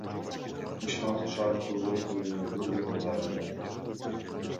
Ишканасы шаардын борбордук бөлүгүндөгү буюм базарында жайгашкан.